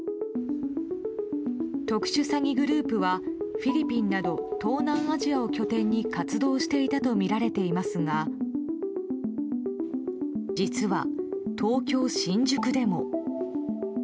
特殊詐欺グループはフィリピンなど東南アジアを拠点に活動していたとみられていますが実は、東京・新宿でも。